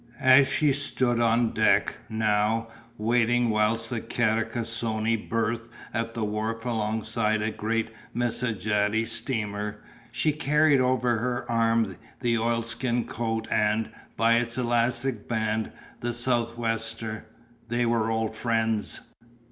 As she stood on deck, now, waiting whilst the Carcassonne berthed at the wharf alongside a great Messagerie steamer, she carried over her arm the oilskin coat and, by its elastic band, the sou'wester. They were old friends.